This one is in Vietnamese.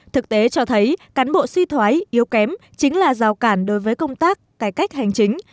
thực tế cho thấy cán bộ suy thoái yếu kém chính là rào cản đối với công tác cải cách hành chính